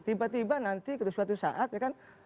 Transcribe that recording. tiba tiba nanti suatu saat ya kan